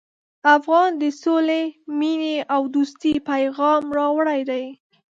افغان د سولې، مینې او دوستۍ پیغام راوړی دی.